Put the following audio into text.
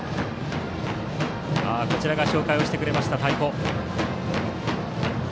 こちらが紹介をしてくれました太鼓です。